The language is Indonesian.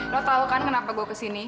lo tau kan kenapa gue kesini